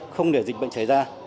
không để dịch bệnh chảy ra